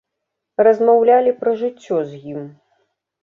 Размаўлялі пра жыццё з ім.